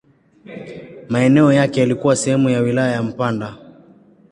Maeneo yake yalikuwa sehemu ya wilaya ya Mpanda.